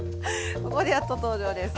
ここでやっと登場です。